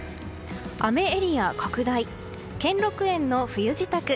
雨エリア拡大兼六園の冬支度